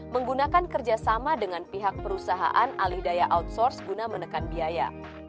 menggunakan kerjasama dengan pihak perusahaan alih daya outsource guna menekan biaya